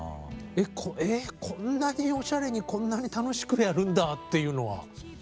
こんなにおしゃれにこんなに楽しくやるんだっていうのは。